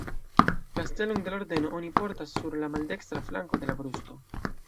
La stelon de la Ordeno oni portas sur la maldekstra flanko de la brusto.